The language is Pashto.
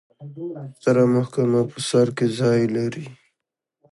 ستره محکمه په سر کې ځای لري.